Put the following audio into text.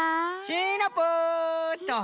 シナプーっと。